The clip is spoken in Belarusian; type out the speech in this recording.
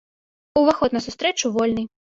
Уваход на сустрэчу вольны.